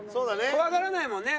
怖がらないもんね。